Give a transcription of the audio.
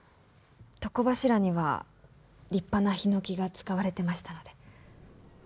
床柱には立派なひのきが使われてましたので。